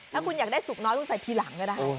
ถ้าคุณอยากได้สุกน้อยต้องใส่ทีหลังก็ได้